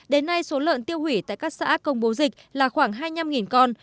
đến nay số lợn tiêu hủy tại các xã công bố dịch là khoảng hai mươi năm con